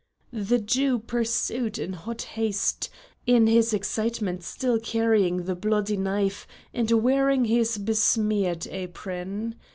The Jew pursued in hot haste, in his excitement still carrying the bloody knife and wearing his besmeared apron.